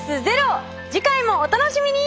次回もお楽しみに！